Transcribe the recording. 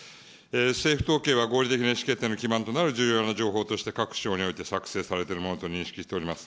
政府統計は合理的に意思決定の基盤となる重要な情報として各省において作成されてるものと認識されております。